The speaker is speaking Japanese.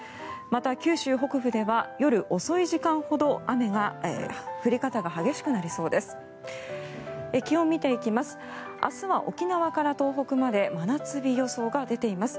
また、九州北部では夜遅い時間ほど雨の降り方が激しくなりそうです。